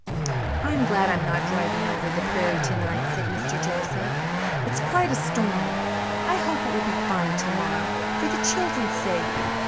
"I'm glad I'm not driving over the prairie tonight," said Mr. Joseph. "It's quite a storm. I hope it will be fine tomorrow, for the children's sake.